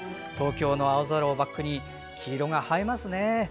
東京の青空をバックに黄色が映えますね。